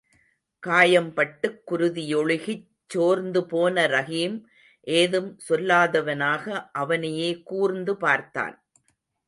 காயம்பட்டுக் குருதி யொழுகிச் சோர்ந்துபோன ரஹீம் ஏதும் சொல்லாதவனாக அவனையே கூர்ந்து பார்த்தான்.